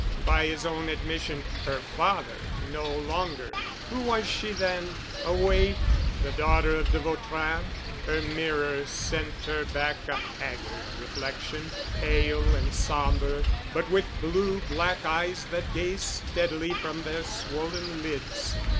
By his own admission—her father no longer. Who was she then? A waif? The daughter of de Vautrin? Her mirror sent her back a haggard reflection, pale, somber, but with blue black eyes that gazed steadily from their swollen lids.